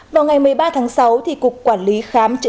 vào ngày một mươi ba tháng sáu cục quản lý khám chữa